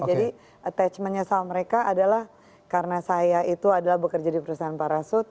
jadi attachmentnya sama mereka adalah karena saya itu adalah bekerja di perusahaan parasut